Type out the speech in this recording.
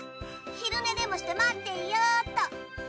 昼寝でもして待っていよっと。